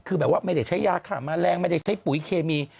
คือแบบว่าไม่ได้ใช้ยาฆ่าแมลงไม่ได้ใช้ปุ๋ยเคมี